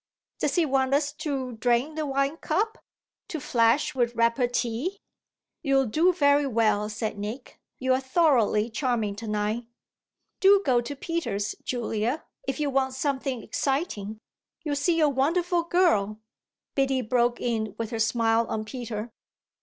Does he want us to drain the wine cup, to flash with repartee?" "You'll do very well," said Nick. "You're thoroughly charming to night." "Do go to Peter's, Julia, if you want something exciting. You'll see a wonderful girl," Biddy broke in with her smile on Peter.